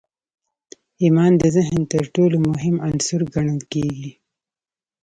ايمان د ذهن تر ټولو مهم عنصر ګڼل کېږي.